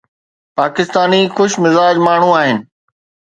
پاڪستاني خوش مزاج ماڻهو آهن.